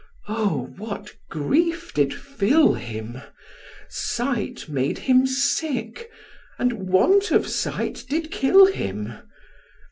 O, what grief did fill him! Sight made him sick, and want of sight did kill him.